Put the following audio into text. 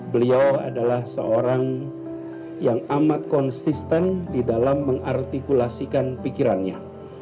beliau adalah seorang yang amat konsisten di dalam mengartikulasikan pikirannya